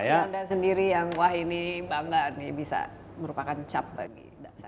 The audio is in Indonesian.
kalau anda sendiri yang wah ini bangga nih bisa merupakan cap bagi saya